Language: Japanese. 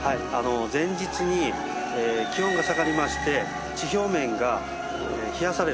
前日に気温が下がりまして地表面が冷やされる。